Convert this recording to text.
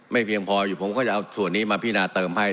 เพียงพออยู่ผมก็จะเอาส่วนนี้มาพินาเติมให้